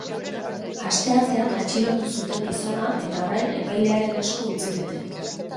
Asteartean atxilotu zuten gizona, eta orain epailearen esku utzi dute.